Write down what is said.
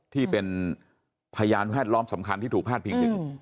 ที่เป็นพยานแพทย์ล้อมสำคัญที่ถูกพลาดเพียงหนึ่ง